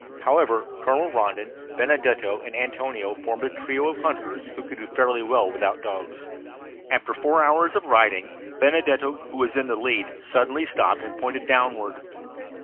However, Colonel Rondon, Benedetto, and Antonio formed a trio of hunters who could do fairly well without dogs. After four hours of riding, Benedetto, who was in the lead, suddenly stopped and pointed downward.